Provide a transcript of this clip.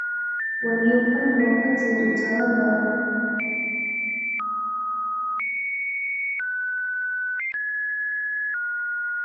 waliofanya wakati wa utawala wa rais hosni mubarak